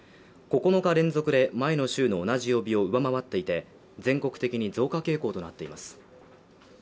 ９日連続で前の週の同じ曜日を上回っていて、全国的に増加傾向となっています。